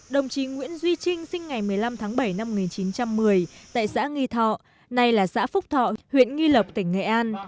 đồng chí nguyễn duy trinh sinh ngày một mươi năm tháng bảy năm một nghìn chín trăm một mươi tại xã nghi thọ nay là xã phúc thọ huyện nghi lộc tỉnh nghệ an